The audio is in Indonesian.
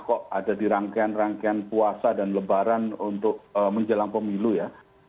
kok ada di rangkaian rangkaian puasa dan lebaran untuk menjelang pemilu ya